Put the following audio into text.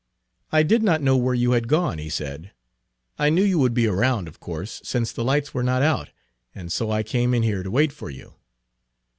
"I did not know where you had gone," he said. "I knew you would be around, of course, since the lights were not out, and so I came in here to wait for you."